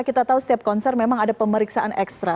kita tahu setiap konser memang ada pemeriksaan ekstra